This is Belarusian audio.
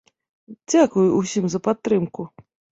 Дзякуй усім за падтрымку!